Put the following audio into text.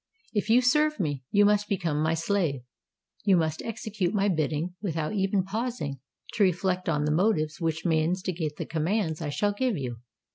If you serve me, you must become my slave: you must execute my bidding without even pausing to reflect on the motives which may instigate the commands I shall give you.